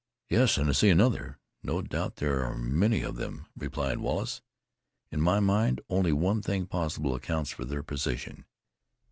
"Yes, and I see another; no doubt there are many of them," replied Wallace. "In my mind, only one thing possible accounts for their position.